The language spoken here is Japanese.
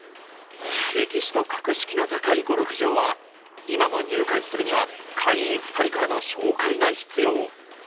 歴史と格式の高いゴルフ場は、今も入会するには会員２人からの紹介が必要。